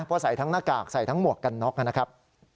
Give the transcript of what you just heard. เพราะใส่ทั้งหน้ากากใส่ทั้งหมวกกันน็อกนะครับ